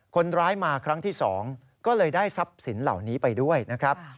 คนร้ายมาครั้งที่๒ก็เลยได้ทรัพย์สินเหล่านี้ไปด้วยนะครับ